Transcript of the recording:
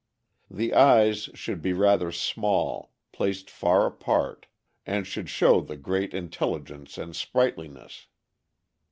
The eyes should be rather small, placed far apart, and should show the greatest intelligence and sprightliness.